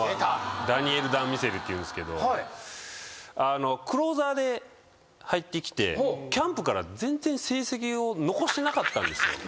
ダニエル・ダン・ミセリっていうんですけどクローザーで入ってきてキャンプから全然成績を残してなかったんですよ。